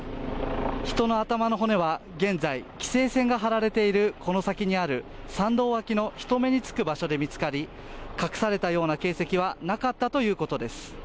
人の頭の骨は現在規制線が張られているこの先にある山道脇の人目につく場所で見つかり隠されたような形跡はなかったということです